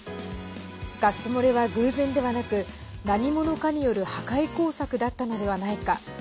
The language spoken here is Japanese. ガス漏れは偶然ではなく何者かによる破壊工作だったのではないか。